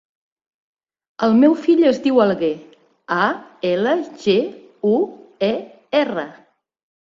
El meu fill es diu Alguer: a, ela, ge, u, e, erra.